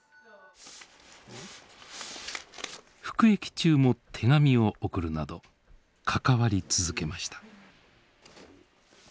服役中も手紙を送るなど関わり続けました。